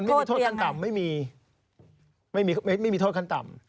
ลูกค้าก็ไม่มีโทษขั้นต่ำ